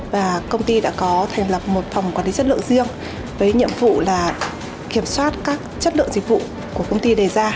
và công ty đã có thành lập một phòng quản lý chất lượng riêng với nhiệm vụ là kiểm soát các chất lượng dịch vụ của công ty đề ra